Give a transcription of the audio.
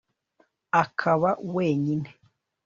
akaba wenyine